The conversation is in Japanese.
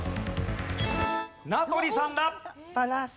名取さんだ。